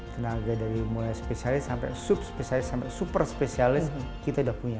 tenaga dari mulai spesialis sampai sub spesialis sampai super spesialis kita sudah punya